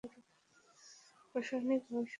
প্রশাসনিকভাবে শহরটি লালমোহন উপজেলার সদর দফতর।